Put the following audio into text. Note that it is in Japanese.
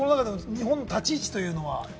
日本の立ち位置というのは？